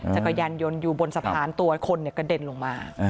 จักรยานยนต์อยู่บนสะพานตัวคนกระเด็นลงมา